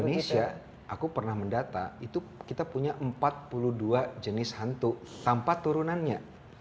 di indonesia aku pernah mendata itu kita punya empat puluh dua jenis hantu tanpa turunannya